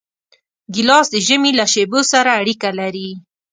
ګیلاس د ژمي له شېبو سره اړیکه لري.